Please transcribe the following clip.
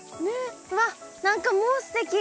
わっ何かもうすてき。